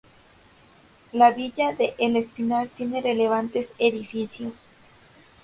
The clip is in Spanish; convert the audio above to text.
La villa de El Espinar tiene relevantes edificios.